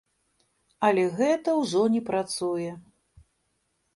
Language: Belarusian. Але гэта ўжо не працуе.